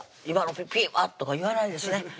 今のピピッは！」とか言わないですね